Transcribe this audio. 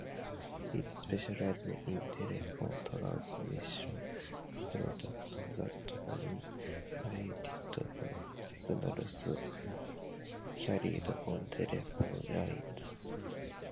It specialized in telephone transmission products that manipulated the signals carried on telephone lines.